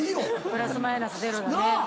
プラスマイナスゼロだね。